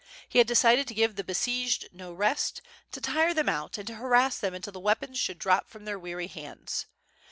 He had decided to give the besieged no rest, to tire them out, and to harass them until the weapons should drop from their weary hands.